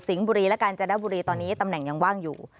บุรีและกาญจนบุรีตอนนี้ตำแหน่งยังว่างอยู่